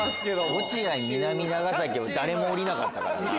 落合南長崎誰も降りなかったからな。